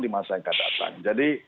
di masa yang akan datang jadi